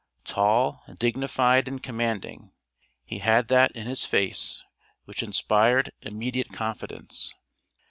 Tall, dignified, and commanding, he had that in his face which inspired immediate confidence.